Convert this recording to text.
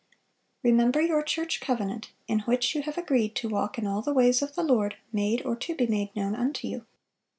(436) "Remember your church covenant, in which you have agreed to walk in all the ways of the Lord, made or to be made known unto you.